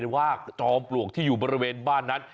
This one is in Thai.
ว่าจอมปลวกที่อยู่บริเวณบ้านนั้น